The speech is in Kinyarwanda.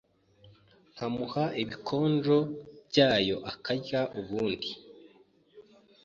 nkamuh n’ibikonjo byayo akarya ubundi